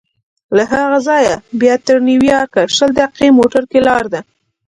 له هغه ځایه بیا تر نیویارکه شل دقیقې موټر کې لاره ده.